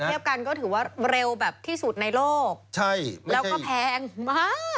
ใช่ไม่ใช่แล้วก็แพงมาก